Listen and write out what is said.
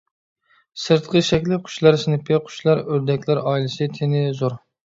سىرتقى شەكلى قۇشلار سىنىپى، قۇشلار، ئۆردەكلەر ئائىلىسى، تېنى زور.